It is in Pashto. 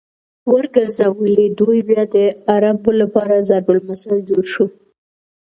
ورګرځولې!! دوی بيا د عربو لپاره ضرب المثل جوړ شو